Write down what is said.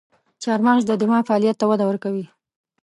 چارمغز د دماغ فعالیت ته وده ورکوي.